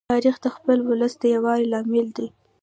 تاریخ د خپل ولس د یووالي لامل دی.